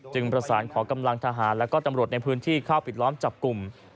ประสานขอกำลังทหารและก็ตำรวจในพื้นที่เข้าปิดล้อมจับกลุ่ม